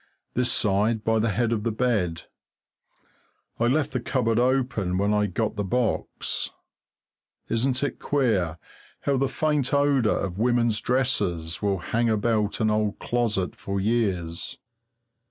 This side, by the head of the bed. I left the cupboard open when I got the box. Isn't it queer how the faint odour of women's dresses will hang about an old closet for years?